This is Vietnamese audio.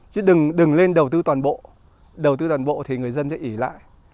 chứ đừng lên đầu tư toàn bộ đầu tư toàn bộ thì người dân sẽ ỉ lại